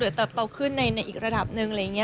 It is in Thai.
หรือเติบเตาขึ้นในอีกระดับหนึ่ง